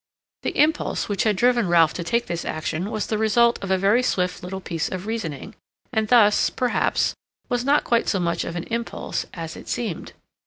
The impulse which had driven Ralph to take this action was the result of a very swift little piece of reasoning, and thus, perhaps, was not quite so much of an impulse as it seemed.